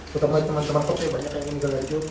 terutama teman teman kopi banyak yang ingin ke liga dua